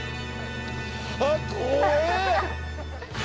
あっ怖え！